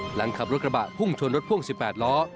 หลังขับรถกระบะพุ่งชนรถพ่วง๑๘ล้อ